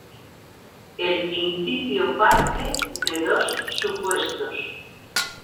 El principio parte de dos supuestos.